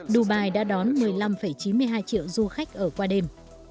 dubai đã đón một mươi năm chín mươi hai triệu du khách ở qua đêm